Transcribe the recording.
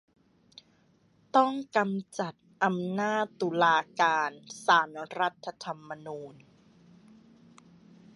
ต้องกำจัดอำนาจตุลาการศาลรัฐธรรมนูญ